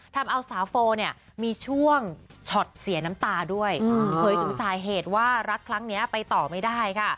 ทำเอาสาวโฟเนี่ยมีช่วงช็อตเสียน้ำตาด้วยเผยถึงสาเหตุว่ารักครั้งนี้ไปต่อไม่ได้ค่ะ